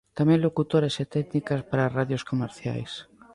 Tamén locutoras e técnicas para as radios comerciais.